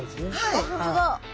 あっ本当だ。